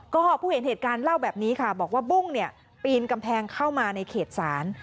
ก็ผู้เห็นเหตุการณ์เล่าแบบนี้ค่ะบอกว่าบุ้งเนี่ยปีนกำแพงเข้ามาในเขตศาล